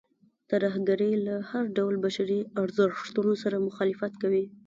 ترهګرۍ له هر ډول بشري ارزښتونو سره مخالفت کوي.